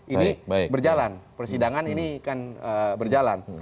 ini berjalan persidangan ini kan berjalan